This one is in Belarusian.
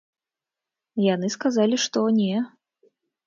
Яны сказалі, што не.